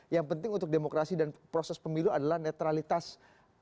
yang penting untuk demokrasi dan proses pemilu adalah netralitas